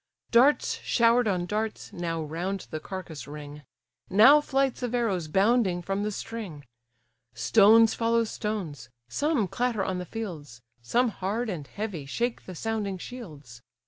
Darts shower'd on darts, now round the carcase ring; Now flights of arrows bounding from the string: Stones follow stones; some clatter on the fields, Some hard, and heavy, shake the sounding shields.